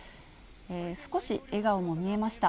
少し笑顔も見えました。